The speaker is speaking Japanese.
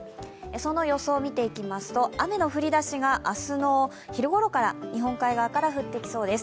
その予想を見ていきますと雨の降りだしが明日の昼ごろ頃から日本海側から降ってきそうです。